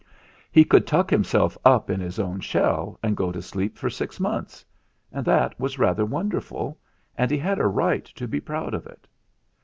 He could tuck himself up in his own shell and go to sleep for six months; and that was rather wonderful, and he had a right to be proud of it.